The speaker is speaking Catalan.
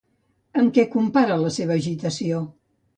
Amb què compara la seva agitació?